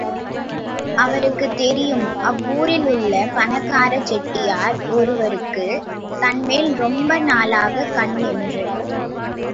அவருக்குத் தெரியும் அவ்வூரில் உள்ள பணக்காரச் செட்டியார் ஒருவருக்குத் தம்மேல் ரொம்ப நாளாகக் கண் என்று.